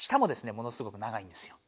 ものすごく長いんですよ。